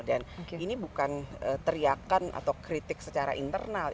dan ini bukan teriakan atau kritik secara internal